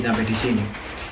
nanti sampai di sini